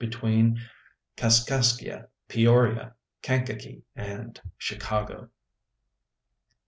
. between Kaskaskia, Peoria, Kankakee, and Chicago.